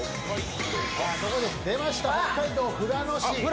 出ました、北海道富良野市。